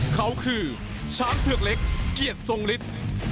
เขาคือช้างเผือกเล็กเกียรติทรงฤทธิ์